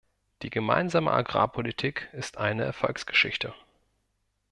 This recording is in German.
Die Gemeinsame Agrarpolitik ist eine Erfolgsgeschichte.